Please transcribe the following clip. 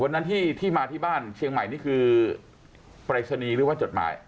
วันนั้นที่มาที่บ้านเชียงใหม่นี่คือปฏิชนีรึว่าจทหมาน